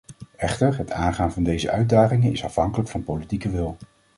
Echter, het aangaan van deze uitdagingen is afhankelijk van politieke wil.